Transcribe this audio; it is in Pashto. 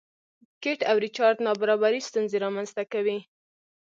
کیټ او ریچارډ نابرابري ستونزې رامنځته کوي.